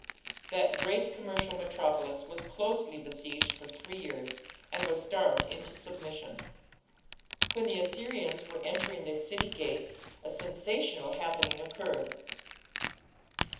That great commercial metropolis was closely besieged for three years, and was starved into submission. When the Assyrians were entering the city gates a sensational happening occurred.